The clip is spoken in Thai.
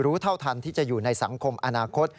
เท่าทันที่จะอยู่ในสังคมอนาคต